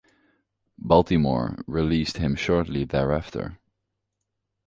Baltimore released him shortly thereafter.